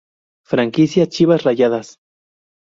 Franquicia Chivas Rayadas